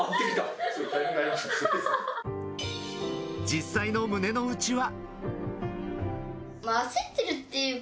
実際の胸の内は？